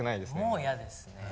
もうイヤですね。